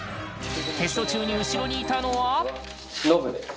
テスト中に後ろにいたのはノブです。